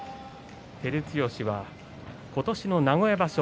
照強は今年の名古屋場所